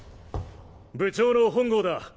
部長の本郷だ。